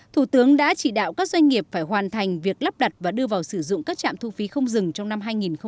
thủ tướng đã chỉ đạo các doanh nghiệp phải hoàn thành việc lắp đặt và đưa vào sử dụng các trạm thu phí không dừng trong năm hai nghìn hai mươi